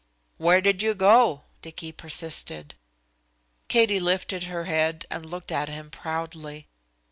"Where did you go?" Dicky persisted. Katie lifted her head and looked at him proudly.